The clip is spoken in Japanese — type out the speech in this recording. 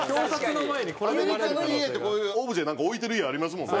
アメリカの家ってこういうオブジェなんか置いてる家ありますもんね。